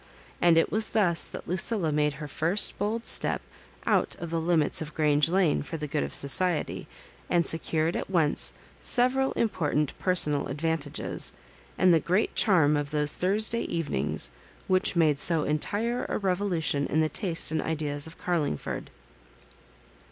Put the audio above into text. And it was thus that Lucilla made her first bold step out of the limits of Grange Lane for the good of society, and secured at once several important personal advantages, and the great charm of those Thursday evenings which made so entire a revolution in the taste and ideas of Carlingford.